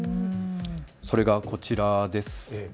それがこちらです。